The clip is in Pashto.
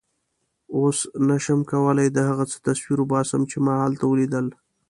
اوس نه شم کولای د هغه څه تصویر وباسم چې ما هلته ولیدل.